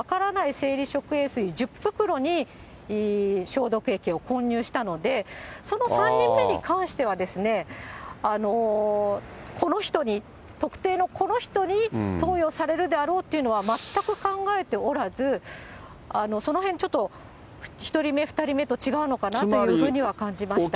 生理食塩水１０袋に、消毒液を混入したので、その３人目に関しては、この人に、特定のこの人に投与されるであろうというのは全く考えておらず、そのへん、ちょっと１人目、２人目と違うのかなというふうには感じました。